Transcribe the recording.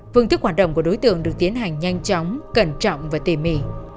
phương thức hoạt động của đối tượng được tiến hành nhanh chóng cẩn trọng và tỉ mỉ